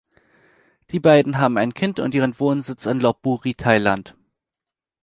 Die beiden haben ein Kind und ihren Wohnsitz in Lop Buri, Thailand.